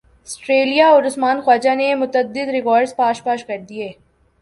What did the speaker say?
سٹریلیا اور عثمان خواجہ نے متعدد ریکارڈز پاش پاش کر دیے